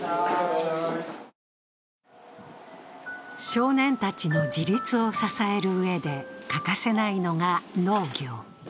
少年たちの自立を支えるうえで欠かせないのが農業。